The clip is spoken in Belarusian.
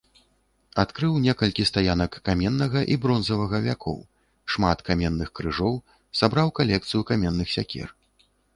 Адкрыў некалькі стаянак каменнага і бронзавага вякоў, шмат каменных крыжоў, сабраў калекцыю каменных сякер.